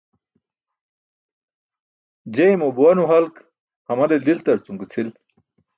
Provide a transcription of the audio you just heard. Jeymo buwa nuhalk hamale deltar cum ke cʰil.